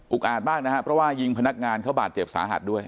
อาจมากนะครับเพราะว่ายิงพนักงานเขาบาดเจ็บสาหัสด้วย